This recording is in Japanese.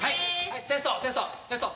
テストテストテスト。